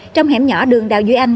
trong hẻm nhỏ đường đào duy anh